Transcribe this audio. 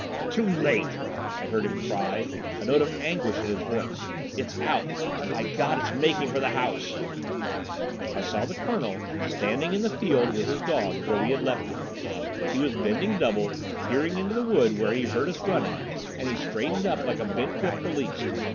"Too late!" I heard him cry, a note of anguish in his voice. "It's out—and, by God, it's making for the house!" I saw the Colonel standing in the field with his dogs where we had left him. He was bending double, peering into the wood where he heard us running, and he straightened up like a bent whip released.